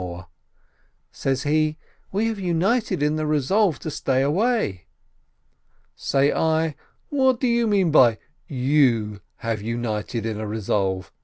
Says he, "We have united in the resolve to stay away." Say I, "What do you mean by 'you' have united in a resolve?